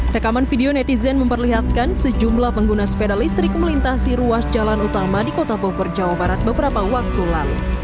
rekaman video netizen memperlihatkan sejumlah pengguna sepeda listrik melintasi ruas jalan utama di kota bogor jawa barat beberapa waktu lalu